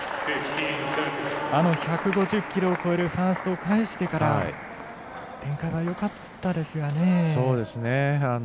あの１５０キロを超えるファーストを返してから展開はよかったですがね。